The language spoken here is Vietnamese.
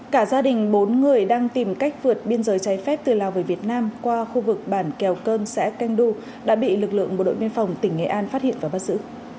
cả gia đình bốn người đang tìm cách vượt biên giới trái phép từ lào về việt nam qua khu vực bản kèo cơm xã canh du đã bị lực lượng bộ đội biên phòng tỉnh nghệ an phát hiện và bắt giữ